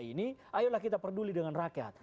ini ayolah kita peduli dengan rakyat